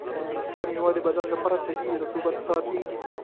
دا میوه د بدن لپاره طبیعي رطوبت ساتي.